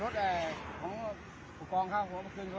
ทางนี้ที่ไป